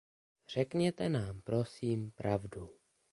Řekněte nám prosím pravdu.